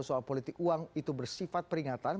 soal politik uang itu bersifat peringatan